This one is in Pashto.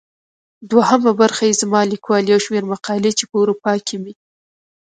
دوهمه برخه يې زما ليکوال يو شمېر مقالې چي په اروپا کې مي.